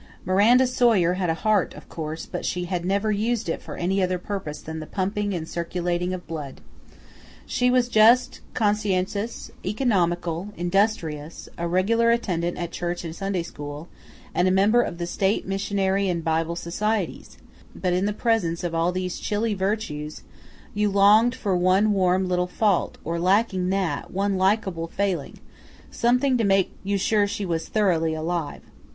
Miranda Sawyer had a heart, of course, but she had never used it for any other purpose than the pumping and circulating of blood. She was just, conscientious, economical, industrious; a regular attendant at church and Sunday school, and a member of the State Missionary and Bible societies, but in the presence of all these chilly virtues you longed for one warm little fault, or lacking that, one likable failing, something to make you sure she was thoroughly alive.